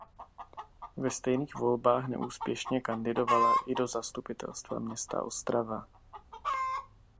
Ve stejných volbách neúspěšně kandidovala i do zastupitelstva města Ostrava.